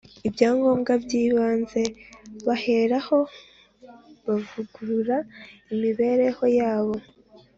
Ibyangombwa by ‘ibanze baheraho bavugurura imibereho yabo .